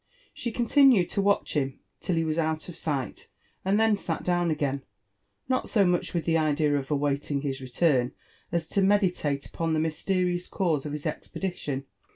She con^ tinned to watch htm till he was out of sighl, and then sat down agaiov not so miich with the idea of awaiting his return, a# to medilata upeai the mysterious cause of his expedition.